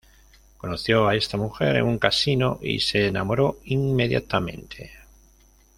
Conoció a esta mujer en un casino y se enamoró inmediatamente.